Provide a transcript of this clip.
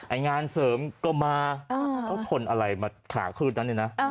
ไอ้งานเสริมก็มาต้องทนอะไรมาขาขืดนั้นเนี่ยนะ